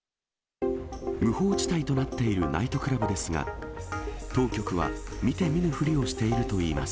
無法地帯となっているナイトクラブですが、当局は、見て見ぬふりをしているといいます。